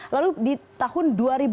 lalu di tahun dua ribu empat belas